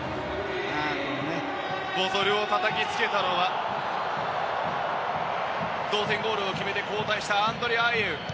ボトルをたたきつけたのは同点ゴールを決めて交代したアンドレ・アイェウ。